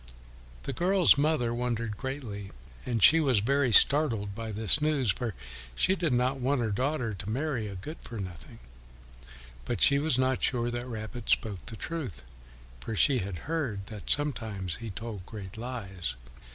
The girl's mother wondered greatly, and she was very startled by this news, for she did not want her daughter to marry a good for nothing; but she was not sure that Rabbit spoke the truth, for she had heard that sometimes he told great lies.